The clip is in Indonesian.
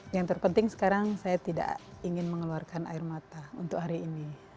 yang terpenting sekarang saya tidak ingin mengeluarkan air mata untuk hari ini